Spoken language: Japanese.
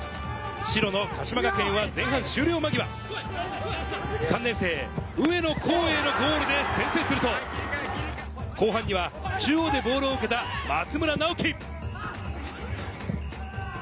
白の鹿島学園は前半終了間際、３年生・上野光永のゴールで先制すると、後半には中央でボールを受けた松村尚樹。